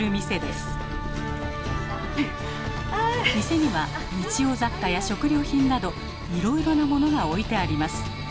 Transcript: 店には日用雑貨や食料品などいろいろなものが置いてあります。